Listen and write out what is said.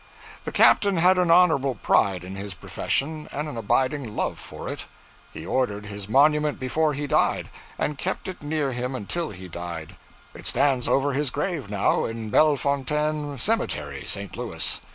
The captain had an honorable pride in his profession and an abiding love for it. He ordered his monument before he died, and kept it near him until he did die. It stands over his grave now, in Bellefontaine cemetery, St. Louis.